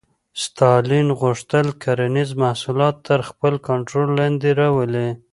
ستالین غوښتل کرنیز محصولات تر خپل کنټرول لاندې راولي